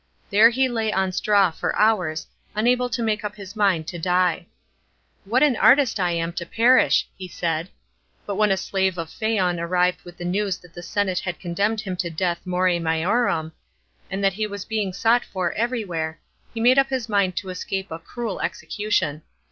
There he lay on straw for hours, unable to make up his mind to die. " What an artist I am to perish !" he said. But when a slave of Phaon arrived with the news that the senate had con demned him to death more maiorum, and that he was being sought for everywhere, he made up his mind to escape a cruel execution.